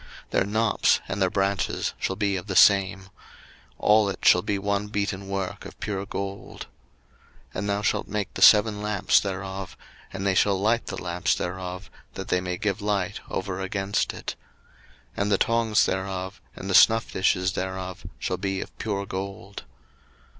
02:025:036 Their knops and their branches shall be of the same: all it shall be one beaten work of pure gold. 02:025:037 And thou shalt make the seven lamps thereof: and they shall light the lamps thereof, that they may give light over against it. 02:025:038 And the tongs thereof, and the snuffdishes thereof, shall be of pure gold.